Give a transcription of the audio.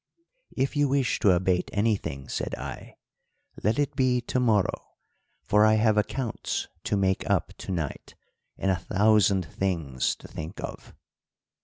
"'If you wish to abate anything,' said I, 'let it be to morrow, for I have accounts to make up to night and a thousand things to think of.'